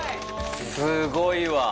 すごいわ。